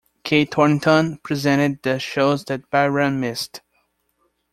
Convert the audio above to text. Kate Thornton presented the shows that Byram missed.